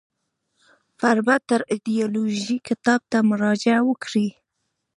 فربه تر از ایدیالوژی کتاب ته مراجعه وکړئ.